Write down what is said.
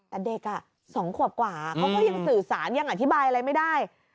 แต่เด็ก๒ขวบกว่าเขาก็ยังสื่อสารยังอธิบายอะไรไม่ได้